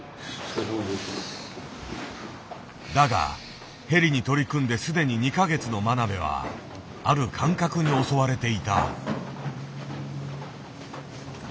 だがヘリに取り組んで既に２か月の真鍋はある感覚に襲われていた。